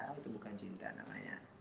itu bukan cinta namanya